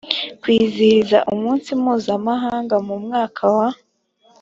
kwizihiza umunsi mpuzamahanga mu mwaka wa